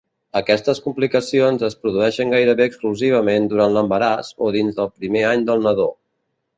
Aquestes complicacions es produeixen gairebé exclusivament durant l'embaràs o dins del primer any del nadó.